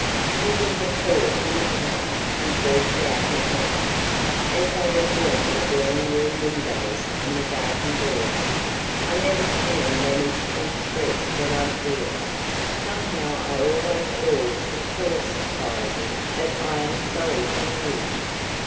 "You will have thought me hard," he burst out at length, as they were nearing the drawing room windows and the garden door. "I never can manage to express what I feel somehow I always fall to philosophizing but I am sorry for you.